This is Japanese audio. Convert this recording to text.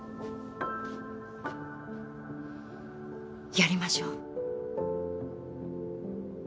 やりましょう。